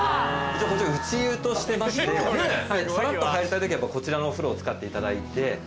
一応こっち内湯としてましてさらっと入りたい時はこちらのお風呂を使っていただいて。